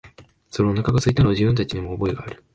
それ、おなかが空いたろう、自分たちにも覚えがある、